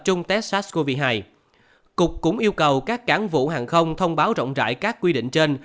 trung test sars cov hai cục cũng yêu cầu các cán vụ hàng không thông báo rộng rãi các quy định trên